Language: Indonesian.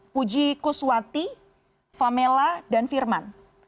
puji kuswati famela dan firman